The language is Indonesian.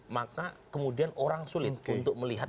maka kemudian orang sulit untuk melihat